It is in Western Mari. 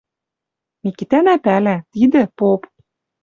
Микитӓнӓ пӓлӓ: тидӹ — поп.